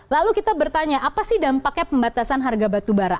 lalu kita bertanya apa sih dampaknya pembatasan harga batubara